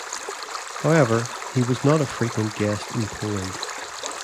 However, he was not a frequent guest in Poland.